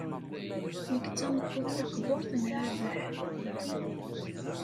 Nekk d tameṭṭut taqburt n Rabaḥ.